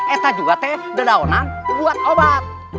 ini juga teh daun buat obat